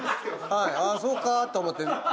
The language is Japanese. ああそうかと思って。